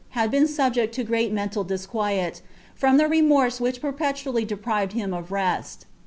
had been subject to great menial diaqoiet, ham iho TKoane which perpetually deprived him of rest.